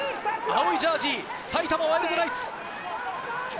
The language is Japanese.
青いジャージ、埼玉ワイルドナイツ。